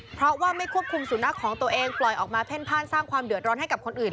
เพราะว่าไม่ควบคุมสุนัขของตัวเองปล่อยออกมาเพ่นพ่านสร้างความเดือดร้อนให้กับคนอื่น